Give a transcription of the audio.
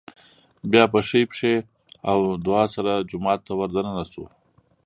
بيا په ښۍ پښې او دعا سره جومات ته ور دننه شو